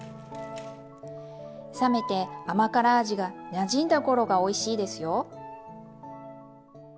冷めて甘辛味がなじんだ頃がおいしいですよ。